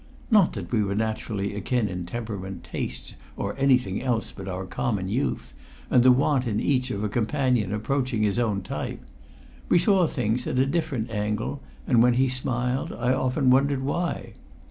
Not that we were naturally akin in temperament, tastes, or anything else but our common youth and the want in each of a companion approaching his own type. We saw things at a different angle, and when he smiled I often wondered why.